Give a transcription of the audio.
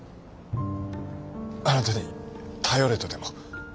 あなたに頼れとでも？